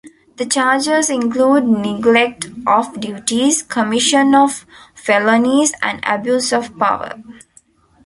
The charges include neglect of duties, commission of felonies and abuse of power.